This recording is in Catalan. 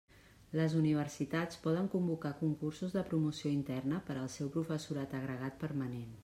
Les universitats poden convocar concursos de promoció interna per al seu professorat agregat permanent.